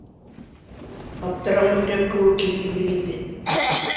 Аптыраған өйрәк кеүек килеп индем инде.